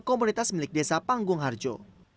komunitas milik desa panggung harjo